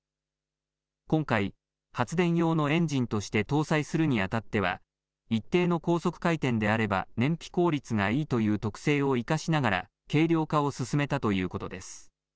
今回、発電用のエンジンとして搭載するにあたっては一定の高速回転であれば燃費効率がいいという特性を生かしながら軽量化を進めたということです。